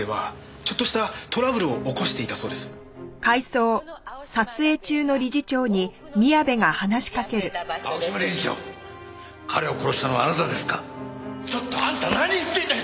ちょっとあんた何言ってんだよ！